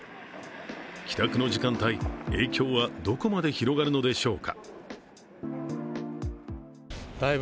帰宅の時間帯、影響はどこまで広がるのでしょうか。